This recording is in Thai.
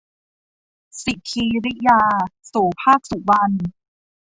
สิคีริยา - โสภาค สุวรรณ